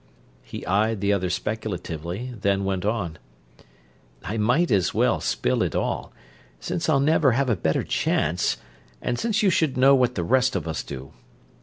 He eyed the other speculatively, then went on: "I might as well spill it all, since I'll never have a better chance and since you should know what the rest of us do.